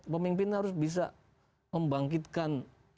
pemimpin harus bisa membangkitkan